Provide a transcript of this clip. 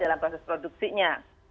dalam proses produksinya